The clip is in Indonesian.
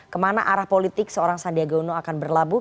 kemana arah politik seorang sandiaga uno akan berlabuh